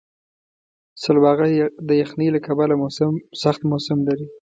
سلواغه د یخنۍ له کبله سخت موسم لري.